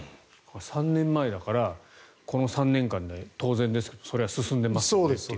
３年前だからこの３年間で当然ですがそりゃ進んでますねという。